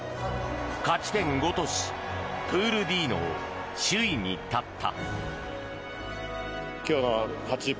勝ち点５とし、プールＤの首位に立った。